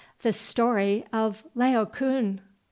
The story of Laocoon!